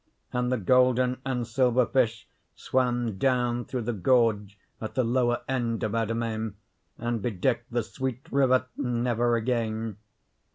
And the golden and silver fish swam down through the gorge at the lower end of our domain and bedecked the sweet river never again.